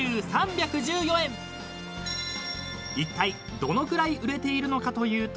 ［いったいどのくらい売れているのかというと］